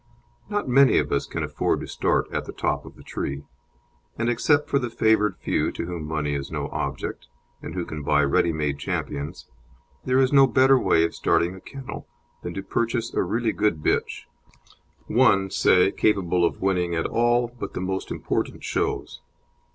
Not many of us can afford to start at the top of the tree, and, except for the favoured few to whom money is no object, and who can buy ready made champions, there is no better way of starting a kennel than to purchase a really good bitch, one, say, capable of winning at all but the more important shows.